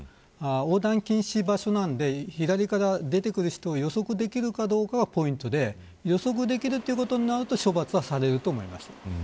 横断禁止場所なので左から出てくる人を予測できるかどうかがポイントで予測できるということになれば処罰はされると思います。